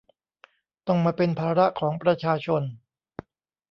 ต้องมาเป็นภาระของประชาชน